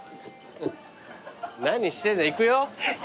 何してんだ行くよ。